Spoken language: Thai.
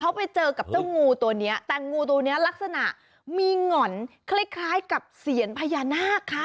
เขาไปเจอกับเจ้างูตัวเนี้ยแต่งูตัวนี้ลักษณะมีหง่อนคล้ายคล้ายกับเสียนพญานาคค่ะ